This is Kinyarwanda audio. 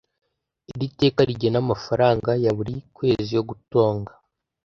Iri teka rigena amafaranga ya buri kwezi yo gutunga